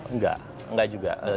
enggak enggak juga